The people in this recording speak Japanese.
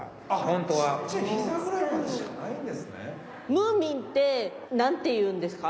ムーミンってなんて言うんですか？